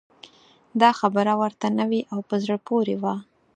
دا خبره ورته نوې او په زړه پورې وه.